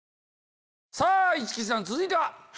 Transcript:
さぁ市來さん続いては？